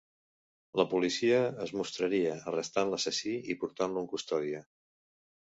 La policia es mostraria arrestant l'assassí i portant-lo en custòdia.